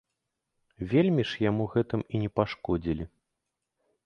Вельмі ж яму гэтым і не пашкодзілі.